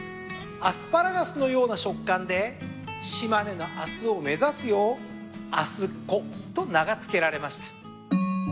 アスパラガスのような食感で島根の明日を目指すよう「あすっこ」と名が付けられました。